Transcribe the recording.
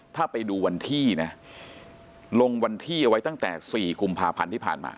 ถ้าไปดูวันที่นะลงวันที่เอาไว้ตั้งแต่๔กุมภาพันธ์ที่ผ่านมา